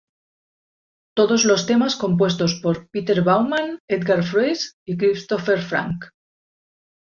Todos los temas compuestos por Peter Baumann, Edgar Froese y Christopher Franke.